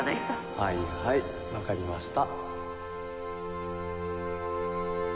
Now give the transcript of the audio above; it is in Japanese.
はいはい分かりました。